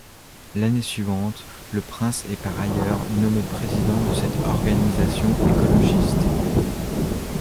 L'année suivante, le prince est par ailleurs nommé président de cette organisation écologiste.